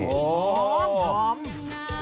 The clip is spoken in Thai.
พร้อม